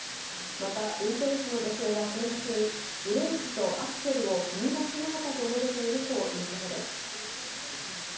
また、運転手の女性は警察に、ブレーキとアクセルを踏み間違えたと述べているということです。